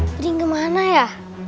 bening kemana ya